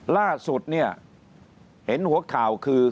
ล่าสุดเห็นหัวข่าวคือ